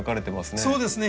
そうですね。